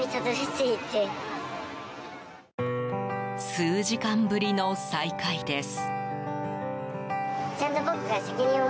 数時間ぶりの再会です。